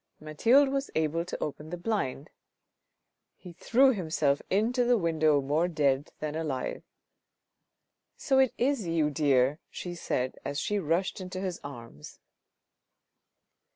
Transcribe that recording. Mathilde was able to open the blind. He threw himself into the window more dead than alive. " So it is you, dear," she said as she rushed into his arms.